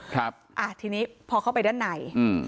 ทีนี้พอเข้าไปด้านใน